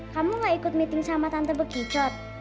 kamu gak ikut meeting sama tante bekicot